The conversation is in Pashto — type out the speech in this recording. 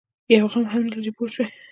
یو غم به هم نه لري پوه شوې!.